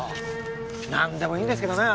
なんでもいいんですけどね。